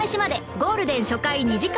ゴールデン初回２時間